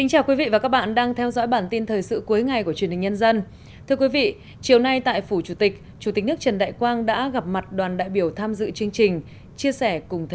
hãy đăng ký kênh để ủng hộ kênh của chúng mình nhé